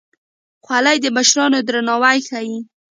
خولۍ د مشرانو درناوی ښيي.